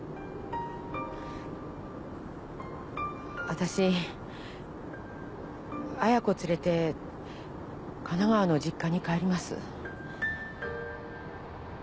私絢子連れて神奈川の実家に帰ります。